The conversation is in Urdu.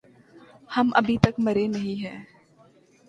ہم أبھی تک مریں نہیں ہے۔